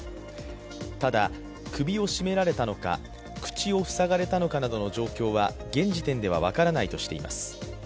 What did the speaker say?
ただ、首を絞められたのか、口を塞がれたのかなどの状況は現時点では分からないとしています。